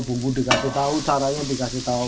bumbu dikasih tahu caranya dikasih tahu